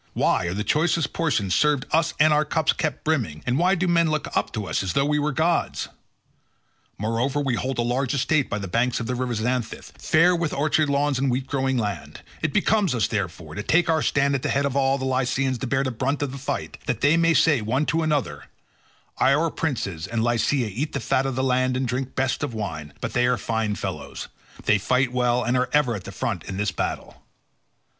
Why are the choicest portions served us and our cups kept brimming, and why do men look up to us as though we were gods? Moreover we hold a large estate by the banks of the river Xanthus, fair with orchard lawns and wheat growing land; it becomes us, therefore, to take our stand at the head of all the Lycians and bear the brunt of the fight, that one may say to another, 'Our princes in Lycia eat the fat of the land and drink best of wine, but they are fine fellows; they fight well and are ever at the front in battle.